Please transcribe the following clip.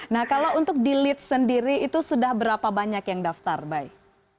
nah kalau untuk di lead sendiri itu sudah berapa banyak yang daftar baik